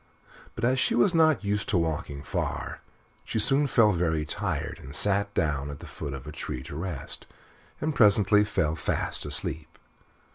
But as she was not used to walking far, she soon felt very tired and sat down at the foot of a tree to rest, and presently fell fast asleep.